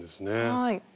はい。